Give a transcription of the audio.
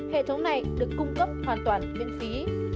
hệ thống này được cung cấp hoàn toàn miễn phí